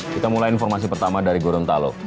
kita mulai informasi pertama dari gorontalo